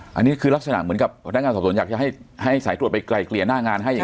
อ้าวอันนี้คือลักษณะเหมือนกับการการสอบสนอยากจะให้ให้สายตรวจไปไกลเกลียร่างานให้